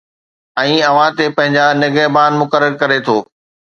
۽ اوهان تي پنهنجا نگهبان مقرر ڪري ٿو